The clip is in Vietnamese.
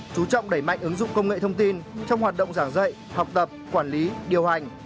chú trọng đẩy mạnh ứng dụng công nghệ thông tin trong hoạt động giảng dạy học tập quản lý điều hành